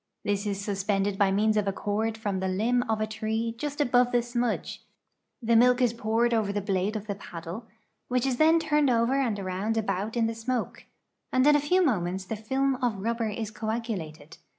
This is sus pended by means of a cord from the limb of a tree just above the smudge, the milk is poured over the blade of the paddle, which is then turned over and around about in the smoke,' and in a few moments the film of rubber is coagulated.